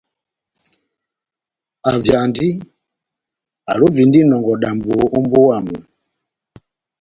Avyandi, alovindi inɔngɔ dambo ó mbówa yamu.